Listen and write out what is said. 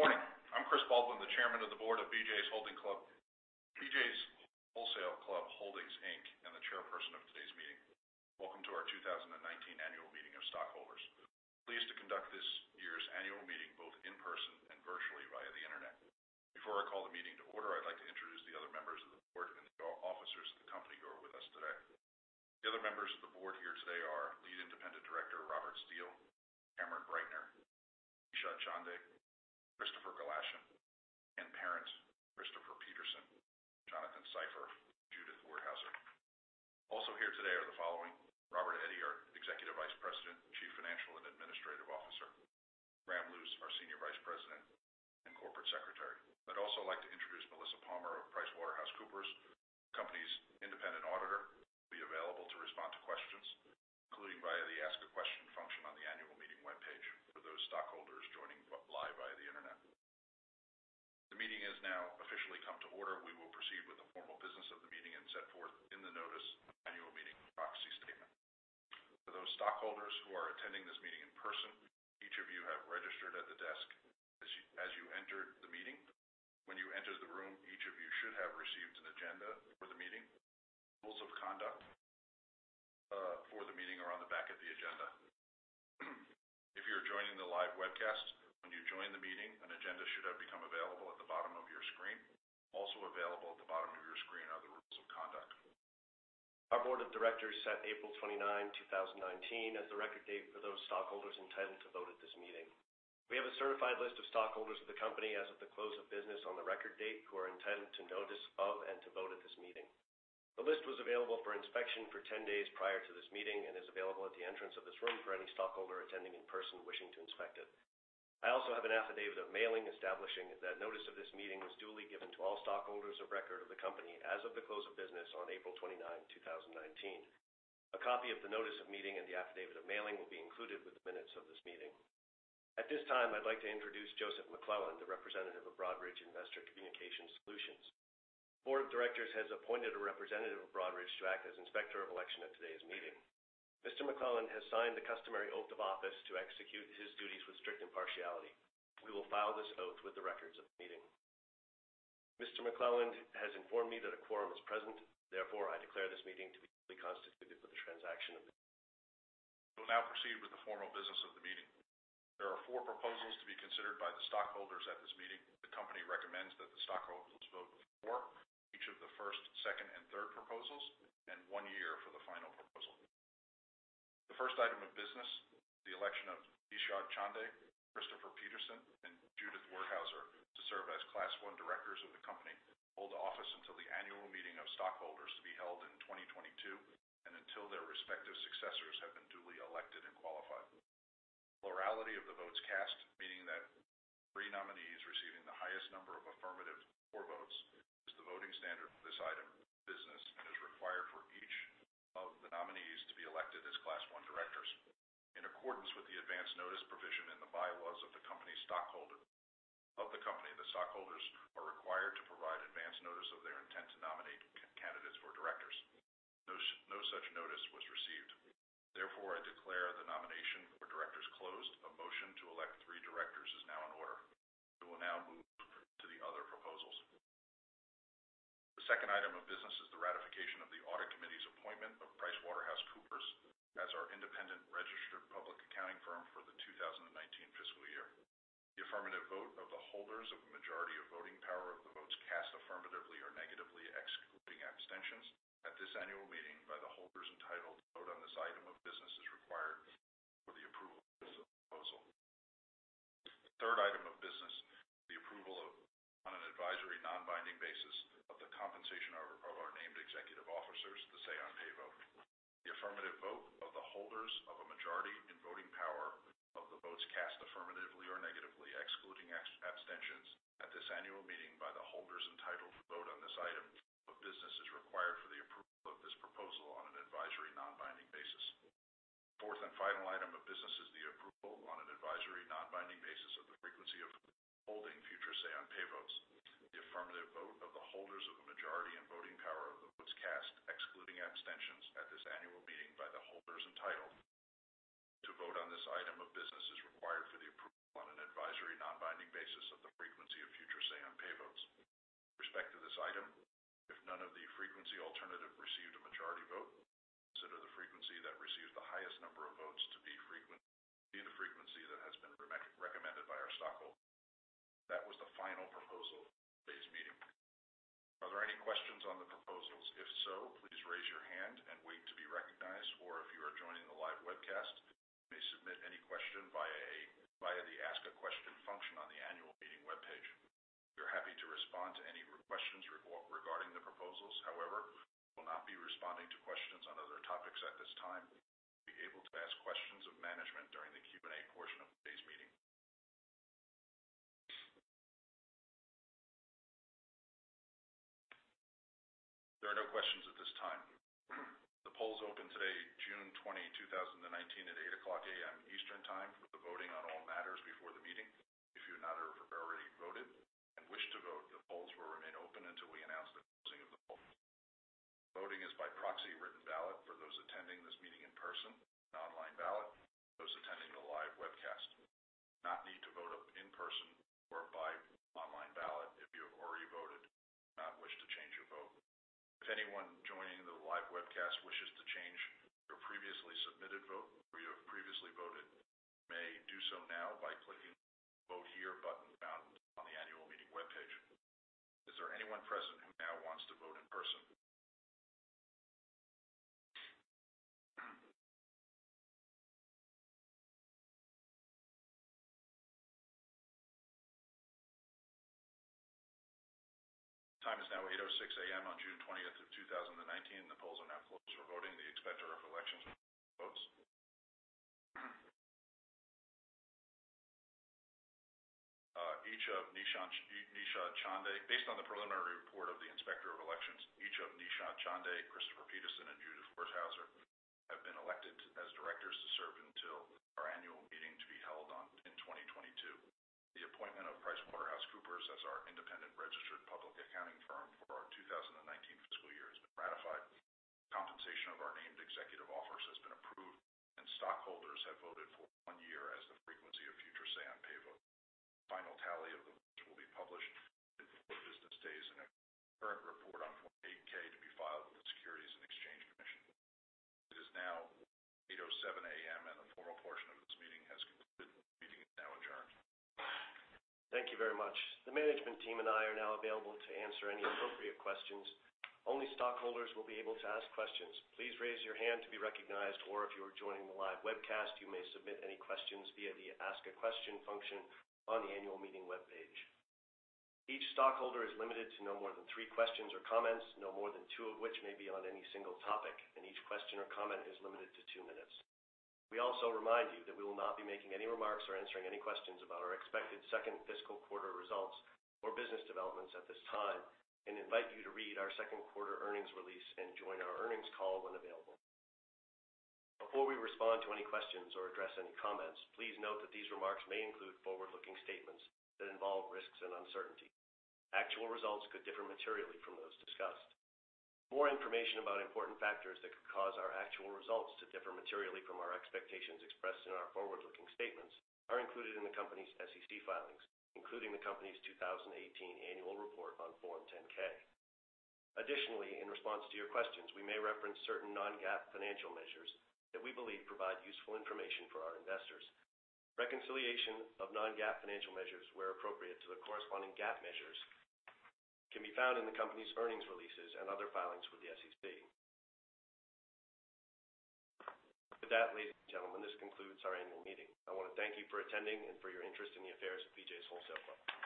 Good morning. I'm Chris Baldwin, the Chairman of the Board of BJ's Wholesale Club Holdings, Inc., and the Chairperson of today's meeting. Welcome to our 2019 Annual Meeting of Stockholders. Pleased to conduct this year's annual meeting both in person and virtually via the internet. Before I call the meeting to order, I'd like to introduce the other members of the Board and the Officers of the company who are with us today. The other members of the Board here today are Lead Independent Director, Robert Steele, Cameron Breitner, Nishad Chande, Kristofer Galashan, and Kenneth Parent, Christopher Peterson, Jonathan Seiffer, Judith Werthauser. Also here today are the following, Robert Eddy, our Executive Vice President, Chief Financial and Administrative Officer, Graham Luce, our Senior Vice President and Corporate Secretary. I'd also like to introduce Melissa Palmer of PricewaterhouseCoopers, the company's independent auditor, who will be available to respond to questions, including via the ask a question function on the annual meeting webpage for those stockholders joining live via the internet. The meeting has now officially come to order. We will proceed with the formal business of the meeting as set forth in the notice of annual meeting proxy statement. For those stockholders who are attending this meeting in person, each of you have registered at the desk as you entered the meeting. When you entered the room, each of you should have received an agenda for the meeting. Rules of conduct for the meeting are on the back of the agenda. If you're joining the live webcast, when you join the meeting, an agenda should have become available at the bottom of your screen. Also available at the bottom of your screen are the rules of conduct. Our Board of Directors set April 29, 2019, as the record date for those stockholders entitled to vote at this meeting. We have a certified list of stockholders of the company as of the close of business on the record date who are entitled to notice of and to vote at this meeting. The list was available for inspection for 10 days prior to this meeting and is available at the entrance of this room for any stockholder attending in person wishing to inspect it. I also have an affidavit of mailing establishing that notice of this meeting was duly given to all stockholders of record of the company as of the close of business on April 29, 2019. A copy of the notice of meeting and the affidavit of mailing will be included with the minutes of this meeting. At this time, I'd like to introduce Joseph McClelland, the representative of Broadridge Investor Communication Solutions. The Board of Directors has appointed a representative of Broadridge to act as Inspector of Election at today's meeting. Mr. McClelland has signed the customary oath of office to execute his duties with strict impartiality. We will file this oath with the records of the meeting. Mr. McClelland has informed me that a quorum is present, therefore, I declare this meeting to be fully constituted for the transaction of the We'll now proceed with the formal business of the meeting. There are four proposals to be considered by the stockholders at this meeting. The company recommends that the stockholders vote for each of the first, second, and third proposals, and one year for the final proposal. The first item of business, the election of Nishad Chande, Christopher Peterson, and Judith Werthauser to serve as Class 1 directors of the company, to hold office until the annual meeting of stockholders to be held in 2022, and until their respective successors have been duly elected and qualified. Plurality of the votes cast, meaning that three nominees receiving the highest number of affirmative for votes, is the voting standard for this item of business and is required for each of the nominees to be elected as Class 1 directors. In accordance with the advance notice provision in the bylaws of the company, the stockholders are required to provide advance notice of their intent to nominate candidates for directors. No such notice was received. I declare the nomination for directors closed. A motion to elect three directors is now in order. We will now move to the other proposals. The second item of business is the ratification of the audit committee's appointment of PricewaterhouseCoopers as our independent registered public accounting firm for the 2019 fiscal year. The affirmative vote of the holders of a majority of voting power of the votes cast affirmatively or negatively, excluding abstentions at this annual meeting by the holders entitled to vote on this item of business, as required for the approval of this proposal. The third item of business, the approval on an advisory non-binding basis of the compensation of our named executive officers, the Say on Pay vote. The affirmative vote of the holders of a majority in voting power of the votes cast affirmatively or negatively, excluding abstentions at this annual meeting by the holders entitled to vote on this item of business is required for the approval of this proposal on an advisory non-binding basis. The fourth and final item of business is the approval on an advisory non-binding basis of the frequency of holding future Say on Pay votes. The affirmative vote of the holders of a majority in voting power of the votes cast, excluding abstentions at this annual meeting by the holders entitled to vote on this item of business is required for the approval on an advisory non-binding basis of the frequency of future Say on Pay votes. With respect to this item, if none of the frequency alternative received a majority vote, consider the frequency that receives the highest number of votes to be the frequency that has been recommended by our stockholder. That was the final proposal of today's meeting. Are there any questions on the proposals? If so, please raise your hand and wait to be recognized, or if you are joining the live webcast, you may submit any question via the Ask a Question function on the annual meeting webpage. We are happy to respond to any questions regarding the proposals. However, we will not be responding to questions on other topics at this time. You will be able to ask questions of management during the Q&A portion of today's meeting. There are no questions at this time. The polls opened today, June 20, 2019, at 8:00 A.M. Eastern Time for the voting on all matters before the meeting. If you have not alreadyis by proxy written ballot for those attending this meeting in person, an online ballot for those attending the live webcast. You do not need to vote in person or by online ballot if you have already voted and do not wish to change your vote. If anyone joining the live webcast wishes to change their previously submitted vote or you have previously voted, you may do so now by clicking the Vote Here button found on the annual meeting webpage. Is there anyone present who now wants to vote in person? Time is now 8:06 A.M. on June 20th of 2019. The polls are now closed for voting. The Inspector of Elections will count the votes. Based on the preliminary report of the Inspector of Elections, each of Nishad Chande, Christopher Peterson, and Judy Werthauser have been elected as directors to serve until our annual meeting to be held in 2022. The appointment of PricewaterhouseCoopers as our independent registered public accounting firm for our 2019 fiscal year has been ratified. Compensation of our named executive officers has been approved, and stockholders have voted for one year as the frequency of future Say on Pay votes. The final tally of the votes will be published within four business days in a current report on Form 8-K to be filed with the Securities and Exchange Commission. It is now 8:07 A.M., and the formal portion of this meeting has concluded. The meeting is now adjourned. Thank you very much. The management team and I are now available to answer any appropriate questions. Only stockholders will be able to ask questions. Please raise your hand to be recognized, or if you are joining the live webcast, you may submit any questions via the Ask a Question function on the annual meeting webpage. Each stockholder is limited to no more than three questions or comments, no more than two of which may be on any single topic, and each question or comment is limited to two minutes. We also remind you that we will not be making any remarks or answering any questions about our expected second fiscal quarter results or business developments at this time and invite you to read our second quarter earnings release and join our earnings call when available. Before we respond to any questions or address any comments, please note that these remarks may include forward-looking statements that involve risks and uncertainty. Actual results could differ materially from those discussed. More information about important factors that could cause our actual results to differ materially from our expectations expressed in our forward-looking statements are included in the company's SEC filings, including the company's 2018 annual report on Form 10-K. Additionally, in response to your questions, we may reference certain non-GAAP financial measures that we believe provide useful information for our investors. Reconciliation of non-GAAP financial measures, where appropriate to the corresponding GAAP measures, can be found in the company's earnings releases and other filings with the SEC. Ladies and gentlemen, this concludes our annual meeting. I want to thank you for attending and for your interest in the affairs of BJ's Wholesale Club.